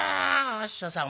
お師匠さん！